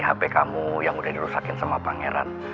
hp kamu yang udah dirusakin sama pangeran